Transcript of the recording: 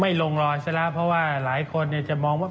ลงรอยซะแล้วเพราะว่าหลายคนจะมองว่า